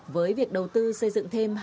với việc đầu tư xây dựng thêm